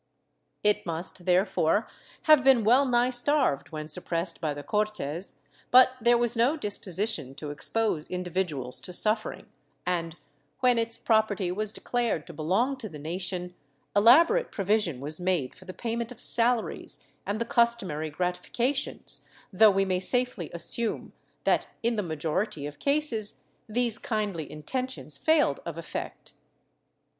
It must therefore have been well nigh starved when sup pressed by the Cortes, but there was no disposition to expose individuals to suffering and, when its property was declared to belong to the nation, elaborate provision was made for the pay ment of salaries and the customary gratifications, though we may safely assume that in the majority of cases, these kindly intentions failed of effect.